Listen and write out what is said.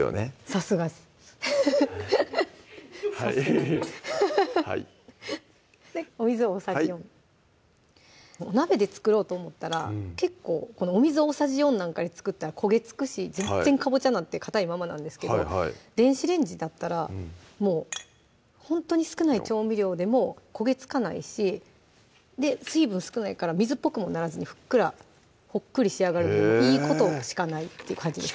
さすがですフフフッはいでお水大さじ４はいお鍋で作ろうと思ったら結構お水大さじ４なんかで作ったら焦げつくし全然かぼちゃなんてかたいままなんですけど電子レンジだったらもうほんとに少ない調味料でも焦げつかないしで水分少ないから水っぽくもならずにふっくらほっくり仕上がるのでいいことしかないって感じです